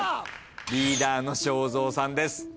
リーダーの正蔵さんです。